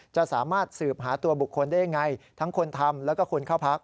จะสามารถสืบหาตัวบุคคลได้ยังไงทั้งคนทำแล้วก็คนเข้าพัก